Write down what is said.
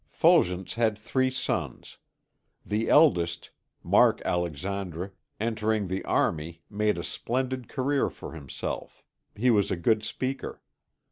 Fulgence had three sons. The eldest, Marc Alexandre, entering the army, made a splendid career for himself: he was a good speaker.